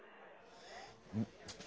うん。